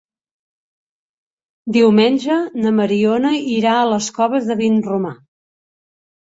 Diumenge na Mariona irà a les Coves de Vinromà.